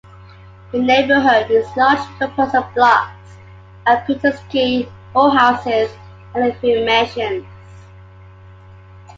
The neighborhood is largely composed of blocks of picturesque rowhouses and a few mansions.